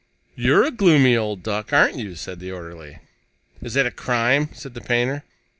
"You're a gloomy old duck, aren't you?" said the orderly. "Is that a crime?" said the painter.